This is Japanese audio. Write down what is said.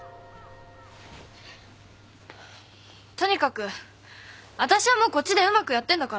とにかくわたしはもうこっちでうまくやってんだから。